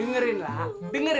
elah elah elah